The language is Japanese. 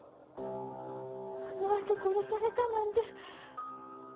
あの後殺されたなんて。